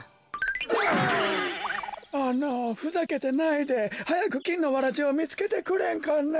あのふざけてないではやくきんのわらじをみつけてくれんかね。